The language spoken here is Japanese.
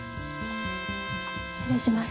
失礼します。